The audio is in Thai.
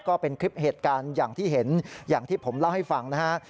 ก็เป็นคลิปเหตุการณ์อย่างที่เห็นอย่างที่ผมเล่าให้ฟังนะฮะ